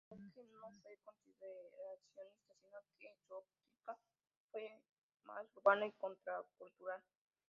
El enfoque no fue conservacionista, sino que su óptica fue más urbana y contracultural.